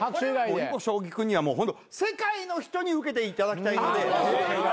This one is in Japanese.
囲碁将棋君にはもうホント世界の人にウケていただきたいので。